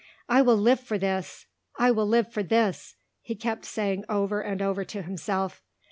"I will live for this! I will live for this!" he kept saying over and over to himself.